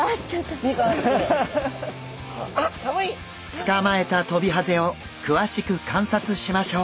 捕まえたトビハゼを詳しく観察しましょう。